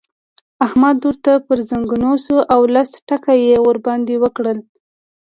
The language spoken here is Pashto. احمد ورته پر ځنګون شو او لس ټکه يې ور باندې وکړل.